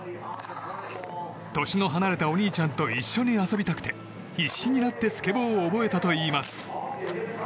年の離れたお兄ちゃんと一緒に遊びたくて必死になってスケボーを覚えたといいます。